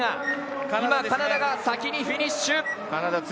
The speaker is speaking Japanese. カナダが先にフィニッシュ。